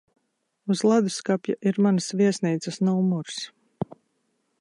Uz ledusskapja ir manas viesnīcas numurs.